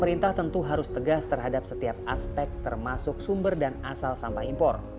pemerintah tentu harus tegas terhadap setiap aspek termasuk sumber dan asal sampah impor